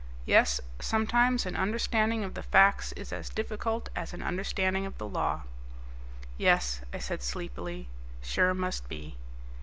Yes, sometimes an understanding of the facts is as difficult as an understanding of the law." "Yes," I said sleepily. "Sure must be."